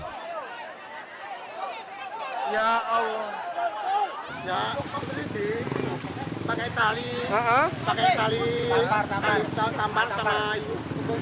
pakai tali pakai tali tambar sama air